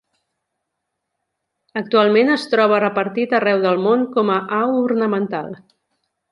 Actualment es troba repartit arreu del món com a au ornamental.